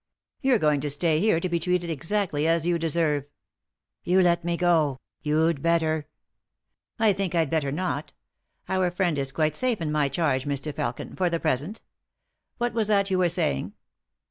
" You're going to stay here to be treated exactly as you deserve." " You let me go ; you'd better !" "I think I'd better not Our friend is quite safe in my charge, Mr. Felkin, for the present What was that you were saying